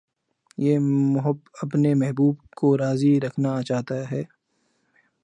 ہر محب اپنے محبوب کو راضی رکھنا چاہتا ہے